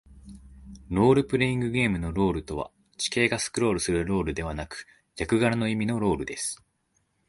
ロールプレイングゲームのロールとは、地形がスクロールするロールではなく、役柄の意味のロールです。